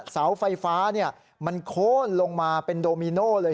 เสาไฟฟ้ามันโค้นลงมาเป็นโดมิโน่เลย